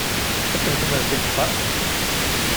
Ad teččemt imensi deg uxxam?